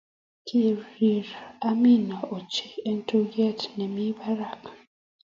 Kirir Amina ochei eng tugee ne mii barak.